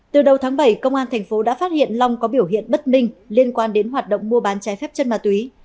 từ đầu tháng bảy công an thành phố đã phát hiện long có biểu hiện bất minh liên quan đến hoạt động mua bán trái phép chất ma túy